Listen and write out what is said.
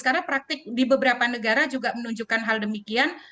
karena praktik di beberapa negara juga menunjukkan hal demikian